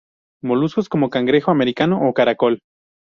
Moluscos como cangrejo americano o caracol.